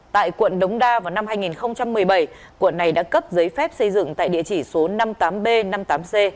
tại quận đống đa vào năm hai nghìn một mươi bảy quận này đã cấp giấy phép xây dựng tại địa chỉ số năm mươi tám b năm mươi tám c